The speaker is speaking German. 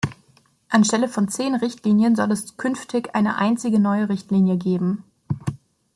Anstelle von zehn Richtlinien soll es künftig eine einzige neue Richtlinie geben.